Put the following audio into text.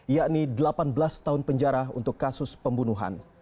yakni delapan belas tahun penjara untuk kasus pembunuhan